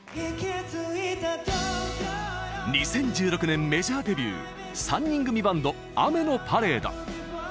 ２０１６年メジャーデビュー３人組バンド、雨のパレード。